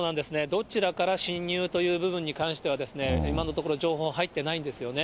どちらから侵入という部分に関しては、今のところ、情報入ってないんですよね。